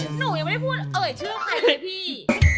หนูยังไม่ได้พูดเอ่ยชื่อใครเลยพี่